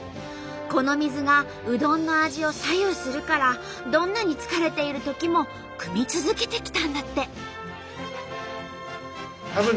この水がうどんの味を左右するからどんなに疲れているときもくみ続けてきたんだって。